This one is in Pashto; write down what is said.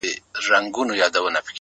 هغه زما زړه ته د کلو راهيسې لار کړې ده _